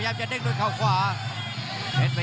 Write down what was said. กรรมการเตือนทั้งคู่ครับ๖๖กิโลกรัม